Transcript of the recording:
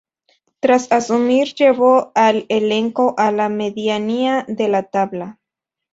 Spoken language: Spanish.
Tras asumir llevó al elenco a la medianía de la tabla.